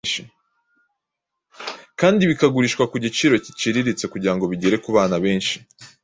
kandi bikagurishwa ku giciro giciriritse kugira ngo bigere ku bana benshi.